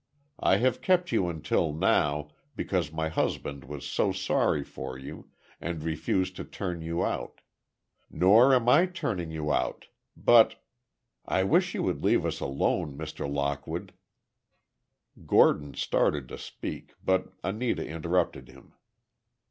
I have kept you until now, because my husband was so sorry for you, and refused to turn you out. Nor am I turning you out, but—I wish you would leave us alone, Mr. Lockwood." Gordon started to speak, but Anita interrupted him.